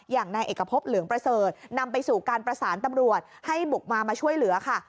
อย่างนายเอกพบเหลืองประเสริฐนำไปสู่การประสานตำรวจให้บุกมามาช่วยเหลือค่ะ